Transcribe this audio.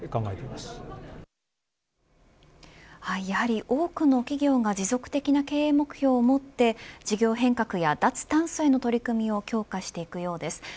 やはり多くの企業が持続的な経営目標を持って事業変革や脱炭素への取り組みを強化していくようです。